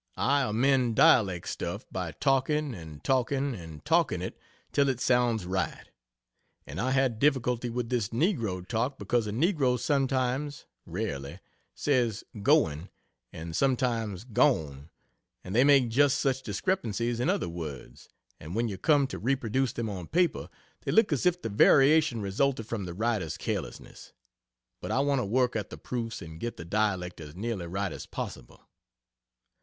I amend dialect stuff by talking and talking and talking it till it sounds right and I had difficulty with this negro talk because a negro sometimes (rarely) says "goin" and sometimes "gwyne," and they make just such discrepancies in other words and when you come to reproduce them on paper they look as if the variation resulted from the writer's carelessness. But I want to work at the proofs and get the dialect as nearly right as possible.